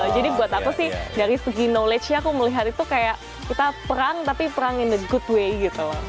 jadi buat aku sih dari segi knowledge nya aku melihat itu kayak kita perang tapi perang in a good way gitu